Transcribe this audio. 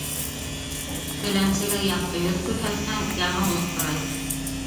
Теләнсегә яҡты йөҙ күрһәтһәң, ямаулыҡ һорай.